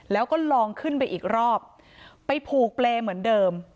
แล้วก็ลองขึ้นไปอีกรอบไปผูกเปรย์เหมือนเดิม